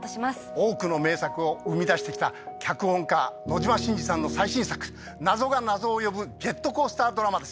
多くの名作を生み出してきた脚本家野島伸司さんの最新作謎が謎を呼ぶジェットコースタードラマです